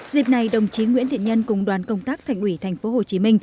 dịp này đồng chí nguyễn thiện nhân cùng đoàn công tác thành ủy tp hcm